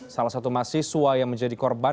salah satu mahasiswa yang menjadi korban